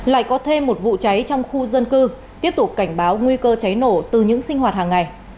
lại có thêm một vụ cháy trong khu dân cư tiếp tục cảnh báo nguy cơ cháy nổ từ những sinh hoạt hàng ngày